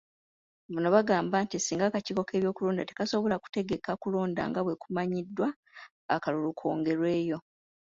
Bano bagamba nti singa Akakiiko k'ebyokulonda tekasobola kutegeka kulonda nga bwekumanyiddwa, akalulu kongerweyo.